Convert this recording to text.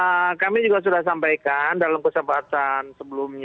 ya kami juga sudah sampaikan dalam kesempatan sebelumnya